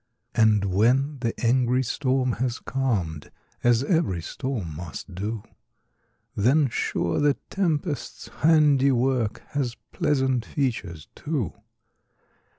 And when the angry storm has calm'd, As ev'ry storm must do, Then, sure, the tempest's handiwork, Has pleasant features, too.